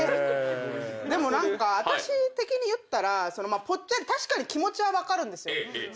でも何か私的に言ったら確かに気持ちは分かるんですよ。